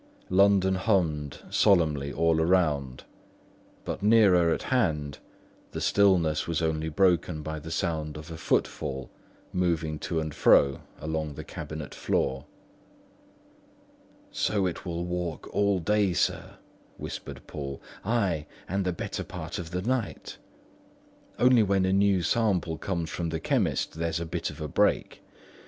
London hummed solemnly all around; but nearer at hand, the stillness was only broken by the sounds of a footfall moving to and fro along the cabinet floor. "So it will walk all day, sir," whispered Poole; "ay, and the better part of the night. Only when a new sample comes from the chemist, there's a bit of a break.